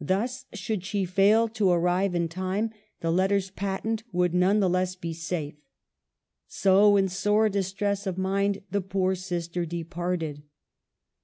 Thus, should she fail to arrive in time, the letters patent would none the less be safe. So in sore distress of mind the poor sister departed.